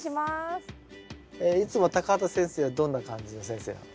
いつも畑先生はどんな感じの先生なの？